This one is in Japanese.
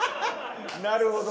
なるほど。